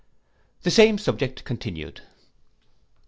The same subject continued.